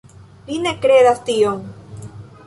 Li ne kredas tion.